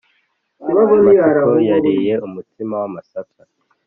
matsiko yariye umutsima wamasaka